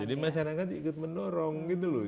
jadi masyarakat ikut mendorong gitu loh